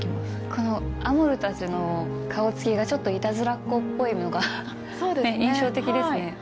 このアモルたちの顔つきがちょっとイタズラっ子っぽいのが印象的ですね。